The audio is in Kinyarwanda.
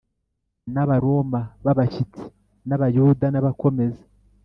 n Abaroma b abashyitsi n Abayuda n abakomeza